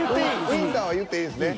ウィンターは言っていいですね。